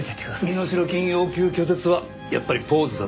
身代金要求拒絶はやっぱりポーズだったんですね。